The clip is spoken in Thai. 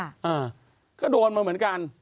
อ่าก็โดนมาเหมือนกัน